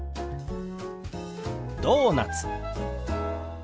「ドーナツ」。